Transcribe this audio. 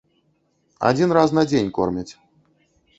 Адзін раз на дзень кормяць.